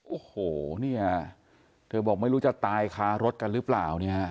โอ้โหเนี่ยเธอบอกไม่รู้จะตายคารถกันหรือเปล่าเนี่ยฮะ